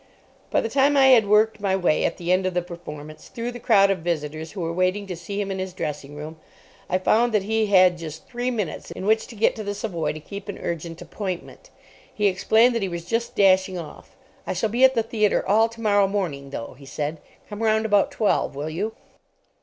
By the time I had worked my way, at the end of the performance, through the crowd of visitors who were waiting to see him in his dressing room, I found that he had just three minutes in which to get to the Savoy to keep an urgent appointment. He explained that he was just dashing off. "I shall be at the theatre all tomorrow morning, though," he said. "Come round about twelve, will you?"